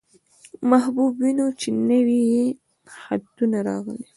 محبوب وينو، چې نوي يې خطونه راغلي.